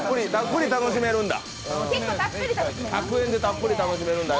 １００円で、たっぷり楽しめるんだ。